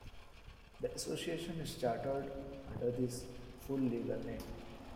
The association is chartered under this full legal name.